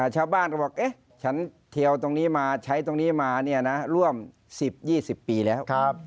ชาวบ้านก็บอกฉันเทียวตรงนี้มาใช้ตรงนี้มาร่วม๑๐๒๐ปีแล้ว